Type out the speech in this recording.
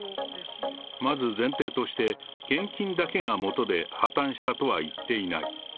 まず前提として、献金だけがもとで破綻したとは言っていない。